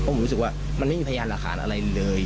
ผมรู้สึกว่ามันไม่มีพยานหลักฐานอะไรเลย